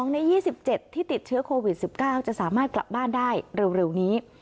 ใน๒๗ที่ติดเชื้อโควิด๑๙จะสามารถกลับบ้านได้เร็วนี้